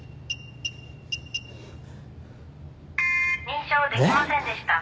「認証できませんでした」